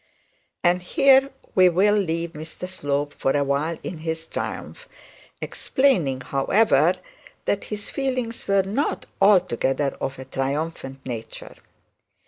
And here we will leave Mr Slope for a while in his triumph; explaining, however, that his feelings were not altogether of a triumphant nature.